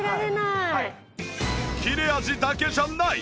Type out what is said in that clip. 切れ味だけじゃない！